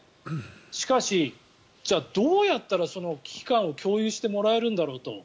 しかし、どうやったら危機感を共有してもらえるんだろうと。